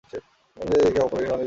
আমরা জানি, একে অপরকে অনেক দিন ধরে।